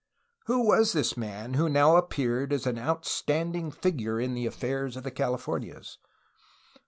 Who was this man who now appeared as an outstanding figure in the affairs of the Calif ornias?